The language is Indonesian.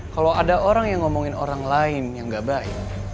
kalau ada orang yang ngomongin orang lain yang gak baik